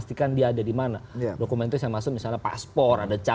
cita cita ingat dulu bagaimana